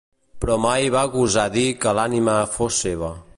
Però mai va gosar a dir que l'ànima fos seva.